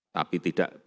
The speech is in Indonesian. tapi tidak dikawal